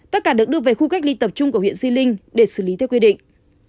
tất cả được đưa về khu cách ly tập trung của huyện di linh để xử lý theo quy định